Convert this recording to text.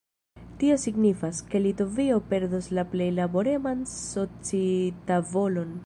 Tio signifas, ke Litovio perdos la plej laboreman socitavolon.